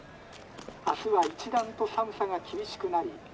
明日は一段と寒さが厳しくなり」。